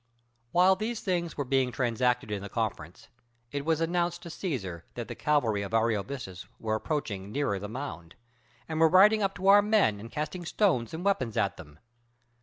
While these things were being transacted in the conference, it was announced to Cæsar that the cavalry of Ariovistus were approaching nearer the mound, and were riding up to our men and casting stones and weapons at them.